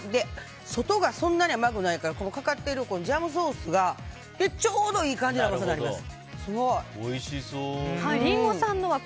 外がそんなに甘くないからかかってるジャムソースがちょうどいい感じになります。